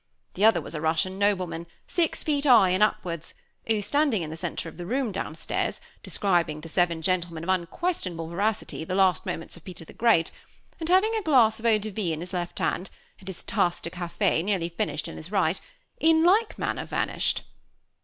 The other was a Russian nobleman, six feet high and upwards, who, standing in the center of the room, downstairs, describing to seven gentlemen of unquestionable veracity the last moments of Peter the Great, and having a glass of eau de vie in his left hand, and his tasse de cafe, nearly finished, in his right, in like manner vanished.